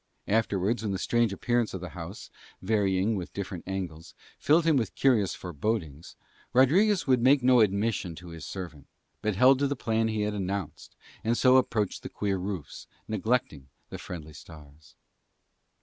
Afterwards, when the strange appearance of the house, varying with different angles, filled him with curious forebodings, Rodriguez would make no admission to his servant, but held to the plan he had announced, and so approached the queer roofs, neglecting the friendly stars.